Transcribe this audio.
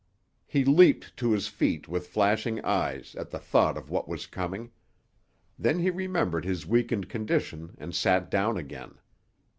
He leaped to his feet, with flashing eyes, at the thought of what was coming. Then he remembered his weakened condition and sat down again.